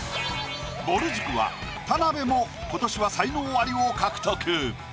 ぼる塾は田辺も今年は才能アリを獲得。